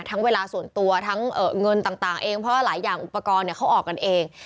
เวลาส่วนตัวทั้งเงินต่างเองเพราะว่าหลายอย่างอุปกรณ์เขาออกกันเอง